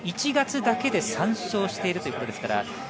１月だけで３勝しているということです。